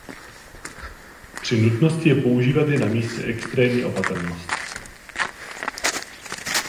Při nutnosti je používat je na místě extrémní opatrnost.